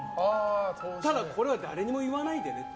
ただ、これは誰にも言わないでねって。